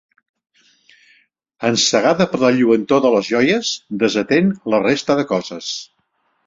Encegada per la lluentor de les joies, desatén la resta de coses.